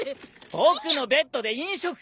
僕のベッドで飲食禁止！